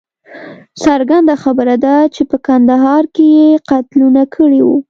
څرګنده خبره ده چې په کندهار کې یې قتلونه کړي وه.